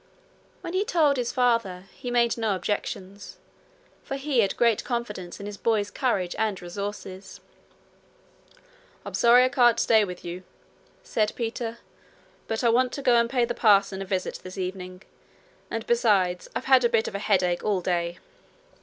When he told his father, he made no objection, for he had great confidence in his boy's courage and resources. 'I'm sorry I can't stay with you,' said Peter; 'but I want to go and pay the parson a visit this evening, and besides I've had a bit of a headache all day.'